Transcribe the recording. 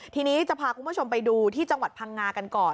ทีนี้จะพาคุณผู้ชมไปดูที่จังหวัดพังงากันก่อน